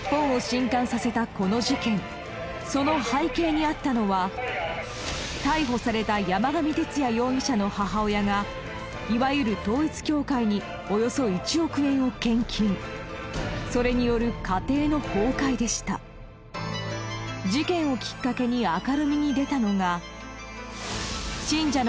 その背景にあったのは逮捕された山上徹也容疑者の母親がいわゆる統一教会におよそ１億円を献金それによる事件をきっかけにの苦悩私は。